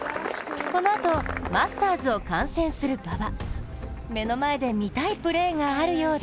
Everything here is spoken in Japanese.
このあとマスターズを観戦する馬場。